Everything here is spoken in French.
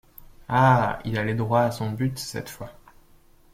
Ah! il allait droit à son but, cette fois !